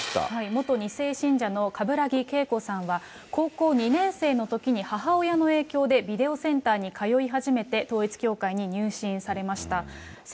元２世信者の冠木けいこさんは高校２年生のときに母親の影響でビデオセンターに通い始めて、統一教会に入信されました。